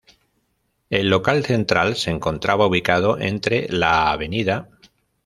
El local central se encontraba ubicado entre la Av.